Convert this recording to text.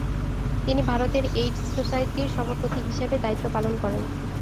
তিনি ভারতের এইডস সোসাইটির সভাপতি হিসেবে দায়িত্ব পালন করেন।